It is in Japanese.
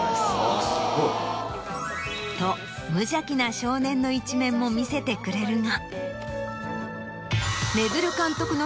あっすごい。と無邪気な少年の一面も見せてくれるが。